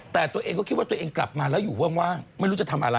แต่ตัวเองก็คิดว่าตัวเองกลับมาแล้วอยู่ว่างไม่รู้จะทำอะไร